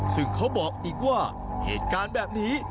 ซึ่งเขาบอกอีกว่าเหตุการณ์แบบนี้